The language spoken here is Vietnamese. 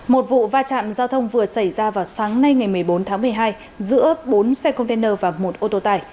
một vụ va chạm giao thông vừa xảy ra vào sáng nay ngày một mươi bốn tháng một mươi hai giữa bốn xe container và một ô tô tải